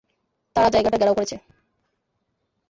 তারা জায়গাটা ঘেরাও করছে।